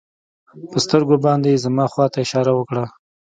په سترګو باندې يې زما خوا ته اشاره وکړه.